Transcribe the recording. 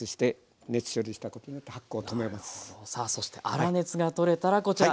さあそして粗熱が取れたらこちら。